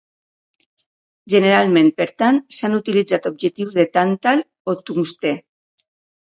Generalment, per tant, s'han utilitzat objectius de tàntal o tungstè.